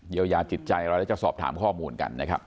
เดี๋ยวยาจิตใจเราจะสอบถามข้อมูลกันนะครับ